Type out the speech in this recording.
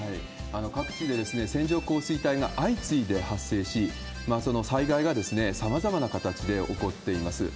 各地で線状降水帯が相次いで発生し、災害が様々な形で起こっています。